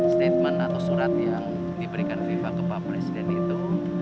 statement atau surat yang diberikan viva ke pak presiden itu